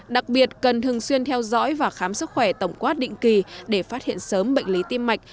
đặc biệt cần thường xuyên theo dõi và khám sức khỏe tổng quát định kỳ để phát hiện sớm bệnh lý tim mạch